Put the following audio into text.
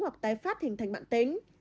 hoặc tái phát hình thành mạng tính